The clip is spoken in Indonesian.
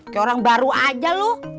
ke orang baru aja lu